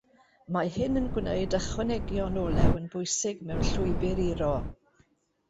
Mae hyn yn gwneud ychwanegion olew yn bwysig mewn llwybr iro.